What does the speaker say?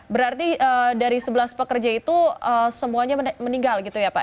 berarti dari sebelas pekerja itu semuanya meninggal gitu ya pak